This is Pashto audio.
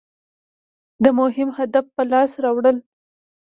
د مهم هدف په لاس راوړل.